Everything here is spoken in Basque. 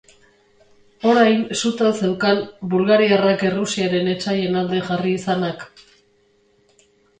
Orain sutan zeukan bulgariarrak Errusiaren etsaien alde jarri izanak.